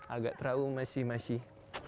agak terawu masih masih